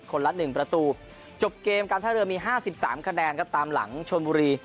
คนละหนึ่งประตูจบเกมกลางท่าเรือมีห้าสิบสามคะแนนก็ตามหลังชวนบุรี